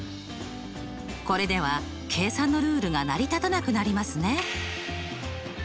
これでは計算のルールが成り立たなくなりますね。